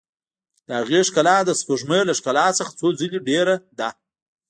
د هغې ښکلا د سپوږمۍ له ښکلا څخه څو ځلې ډېره ده.